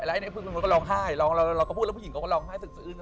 แล้วไอผู้หญิงก็ร้องไห้